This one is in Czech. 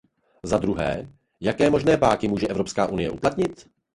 Za druhé, jaké možné páky může Evropská unie uplatnit?